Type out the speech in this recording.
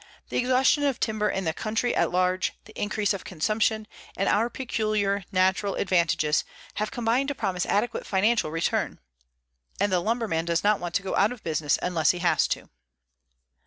The exhaustion of timber in the country at large, the increase of consumption, and our peculiar natural advantages, have combined to promise adequate financial return. And the lumberman does not want to go out of business unless he has to.